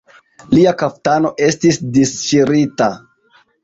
Lia kaftano estis disŝirita.